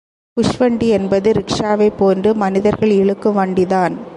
புஷ்வண்டி என்பது ரிக்ஷாவைப் போன்று மனிதர்கள் இழுக்கும் வண்டிதான்.